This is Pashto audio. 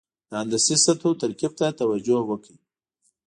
د هندسي سطحو ترکیب ته توجه وکړئ.